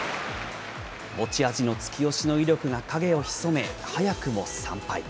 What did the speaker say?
持ち味の突き押しの威力が影を潜め、早くも３敗。